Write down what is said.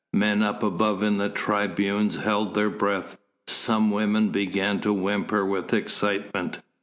Men up above in the tribunes held their breath; some women began to whimper with excitement.